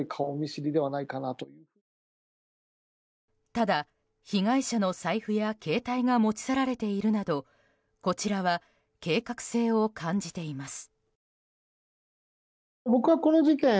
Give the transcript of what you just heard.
ただ、被害者の財布や携帯が持ち去られているなどこちらは計画性を感じています。